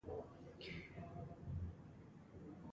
ته د غرۀ نه راکوز شه نو بيا به در سره خبرې وکړم